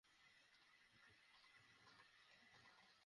এই মানুষটা তো, পুরো জীবনটাকে একটা তামাশা বানিয়ে রেখেছে।